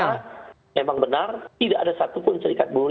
yang pertama memang benar tidak ada satupun serikat buruk